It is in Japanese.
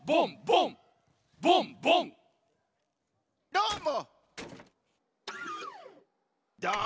どーも！